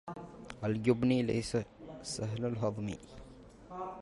الجبن ليس سهل الهضم.